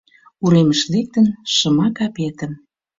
Уремыш лектын, шыма капетым